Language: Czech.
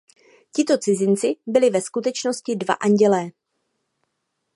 Tito cizinci byli ve skutečnosti dva andělé.